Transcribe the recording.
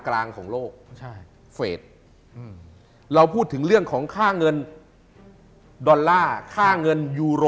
ล้มกระดานมาตรการเงิน